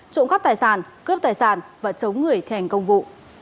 trộm khắp tài sản cướp tài sản và chống người thèm công vụ